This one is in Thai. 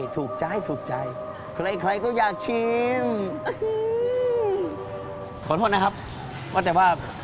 ถูกใจถูกใจใครใครก็อยากชิมขอโทษนะครับว่าแต่ว่า